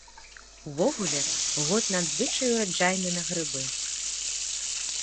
Увогуле, год надзвычай ураджайны на грыбы.